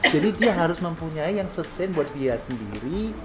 jadi dia harus mempunyai yang sustain buat dia sendiri